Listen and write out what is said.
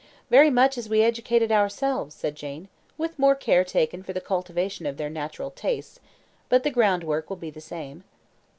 "Very much as we were educated ourselves," said Jane; "with more care taken for the cultivation of their natural tastes, but the groundwork will be the same."